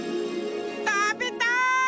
たべたい！